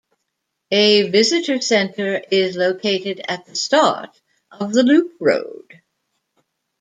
A visitor center is located at the start of the loop road.